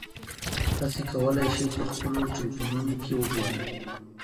تاسي کولای شئ په خپلو ټیلیفونونو کې وګورئ.